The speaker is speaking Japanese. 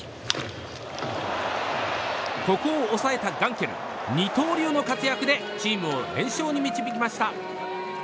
ここを抑えたガンケル二刀流の活躍でチームを連勝に導きました。